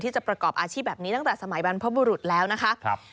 จะประกอบอาชีพแบบนี้ตั้งแต่สมัยบรรพบุรุษแล้วนะคะ